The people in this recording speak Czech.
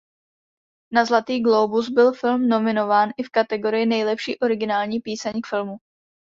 Na Zlatý glóbus byl film nominován i v kategorii nejlepší originální píseň k filmu.